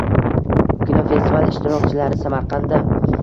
Kinofestival ishtirokchilari – Samarqandda